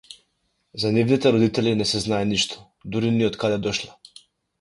За нивните родители не се знае ништо, дури ни од каде дошле.